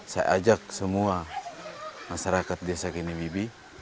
saya ajak semua masyarakat desa kiniwibi